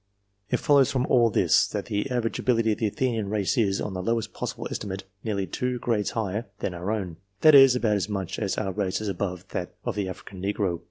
It follows from all this, that the average ability of ;he Athenian race is, on the lowest possible estimate, very nearly two grades higher than our own that is, about as much as our race is above that of the African Negro.